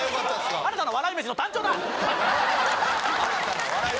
新たな笑い飯の誕生だ。